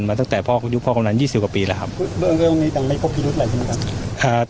มาตั้งแต่พ่อยุคพ่อกำนานยี่สิบกว่าปีแล้วครับเรื่องในกันไม่พบปีรุษอะไรใช่ไหมครับ